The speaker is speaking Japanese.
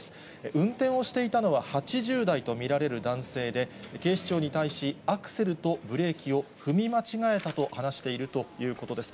運転をしていたのは８０代と見られる男性で、警視庁に対し、アクセルとブレーキを踏み間違えたと話しているということです。